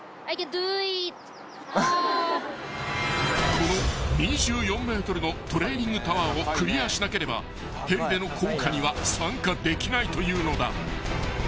［この２４ｍのトレーニングタワーをクリアしなければヘリでの降下には参加できないというのだ］